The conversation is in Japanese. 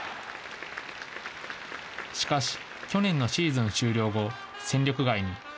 しかし、去年のシーズン終了後、戦力外に。